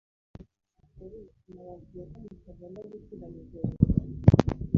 mbere na mbere sinabibabwiye ko mutagomba gutanga ibyo bintu